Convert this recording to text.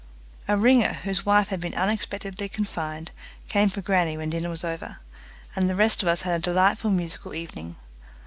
A ringer, whose wife had been unexpectedly confined, came for grannie when dinner was over, and the rest of us had a delightful musical evening.